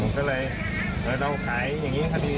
ก็เลยเราขายอย่างนี้ก็ดี